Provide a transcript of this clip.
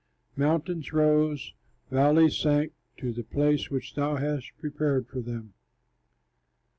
Mountains rose, valleys sank, To the place which thou hadst prepared for them.